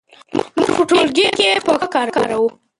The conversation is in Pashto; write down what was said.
موږ په ټولګي کې پښتو کاروو.